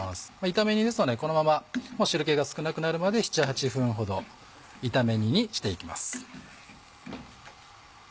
炒め煮ですのでこのまま汁気が少なくなるまで７８分ほど炒め煮にしていきます。